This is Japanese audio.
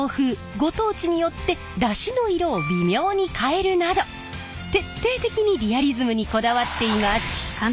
ご当地によってダシの色を微妙に変えるなど徹底的にリアリズムにこだわっています。